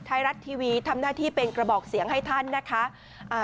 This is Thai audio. ไทยรัฐทีวีทำหน้าที่เป็นกระบอกเสียงให้ท่านนะคะอ่า